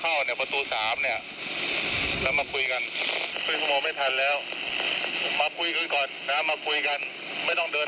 ขอให้มาพูดมาคุยกันและทางเราก็จะต้องการตามความต้องการของเรานะ